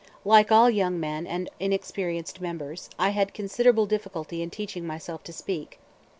Like all young men and inexperienced members, I had considerable difficulty in teaching myself to speak.